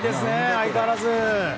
相変わらず。